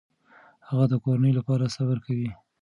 هغه د کورنۍ لپاره صبر کوي.